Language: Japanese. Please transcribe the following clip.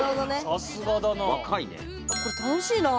さすがだな。